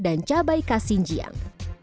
dan cabai khas xinjiang